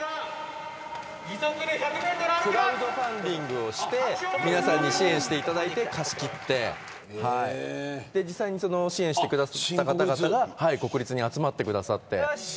クラウドファンディングをして支援していただいて貸し切って実際に支援してくださった方が国立に集まってくださって。